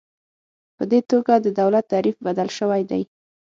په دې توګه د دولت تعریف بدل شوی دی.